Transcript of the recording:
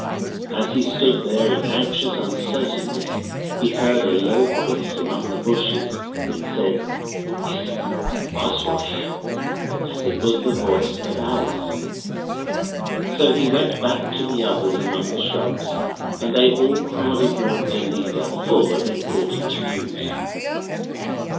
As he stood there in anxious uncertainness he heard a low voice among the bushes. It said, 'Hist! Oswald here!' and it was the voice of Alice. So he went back to the others among the shrubs and they all crowded round their leader full of importable news.